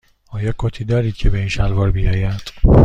آیا کتی دارید که به این شلوار بیاید؟